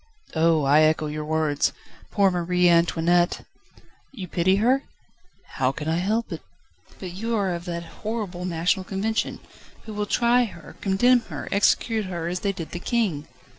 "Oh! I echo your words. Poor Marie Antoinette!" "You pity her?" "How can I help it?" "But your are that horrible National Convention, who will try her, condemn her, execute her as they did the King."